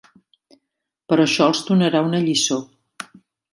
Però això els donarà una lliçó.